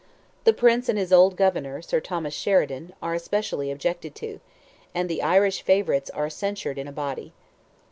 "The prince and his old governor, Sir Thomas Sheridan," are especially objected to, and the "Irish favourites" are censured in a body.